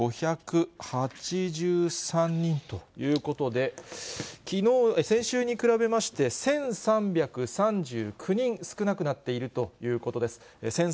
５５８３人ということで、先週に比べまして、１３３９人少なくなっているということです。